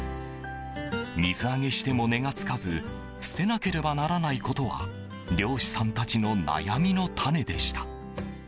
水揚げしても値が付かず捨てなければならないことは漁師さんたちの悩みの種でした。